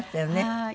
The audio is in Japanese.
はい。